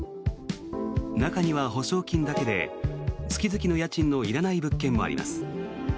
中には保証金だけで月々の家賃のいらない物件もあります。